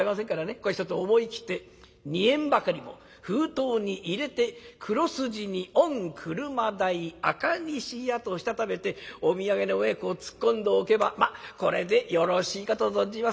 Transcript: ここはひとつ思い切って２円ばかりも封筒に入れて黒筋に『御車代赤螺屋』としたためてお土産の上へこう突っ込んでおけばこれでよろしいかと存じます。